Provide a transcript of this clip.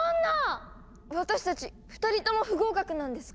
私たち２人とも不合格なんですか？